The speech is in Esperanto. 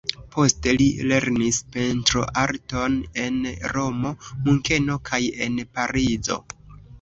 Poste li lernis pentroarton en Romo, Munkeno kaj en Parizo.